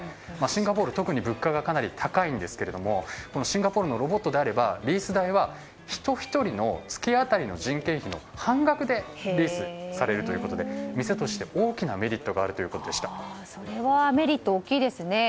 シンガポールは特に物価がかなり高いんですがシンガポールのロボットであればリース代は人１人の月当たりの人件費の半額でリースされるということで店として大きなメリットがあるそれはメリット大きいですね。